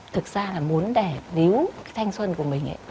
thực ra là muốn để níu thanh xuân của mình